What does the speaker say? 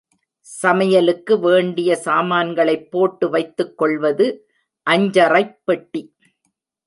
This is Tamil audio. சமையலுக்கு வேண்டிய சாமான்களைப் போட்டு வைத்துக் கொள்வது அஞ்சறைப் பெட்டி.